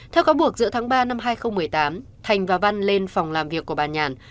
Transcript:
theo cáo buộc giữa tháng ba năm hai nghìn một mươi tám thành và văn lên phòng làm việc của bà nhàn